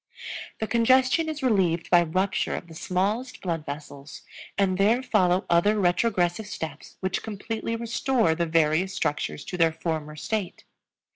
The congestion is relieved by rupture of the smallest blood vessels, and there follow other retrogressive steps which completely restore the various structures to their former state.